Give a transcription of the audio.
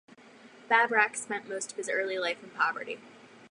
Babrak spent most of his early life in poverty.